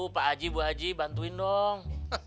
pak haji bu haji bantuin dong